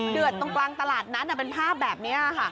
เดือดตรงกลางตลาดนั้นเป็นภาพแบบนี้ค่ะ